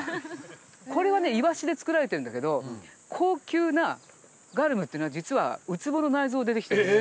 これはねイワシで作られているんだけど高級なガルムっていうのは実はウツボの内臓でできてるんです。